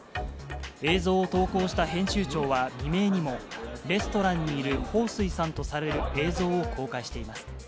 映像を投稿した編集長は未明にも、レストランにいる彭帥さんとされる映像を公開しています。